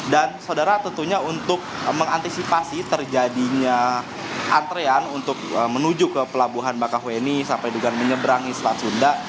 dan saudara tentunya untuk mengantisipasi terjadinya antrean untuk menuju ke pelabuhan maka hueni sampai juga menyeberangi selat sunda